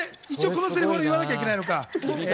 このセリフ、言わきゃいけないのか。